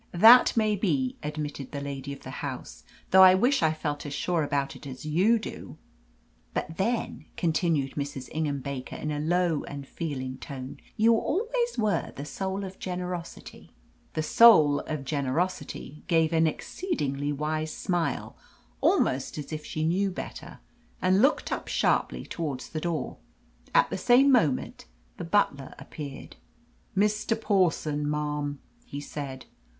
"That may be," admitted the lady of the house, "though I wish I felt as sure about it as you do." "But then," continued Mrs. Ingham Baker, in a low and feeling tone, "you always were the soul of generosity." The "soul of generosity" gave an exceedingly wise little smile almost as if she knew better and looked up sharply towards the door. At the same moment the butler appeared. "Mr. Pawson, ma'am," he said.